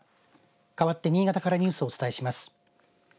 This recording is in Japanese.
かわって新潟からニュースをお伝えします。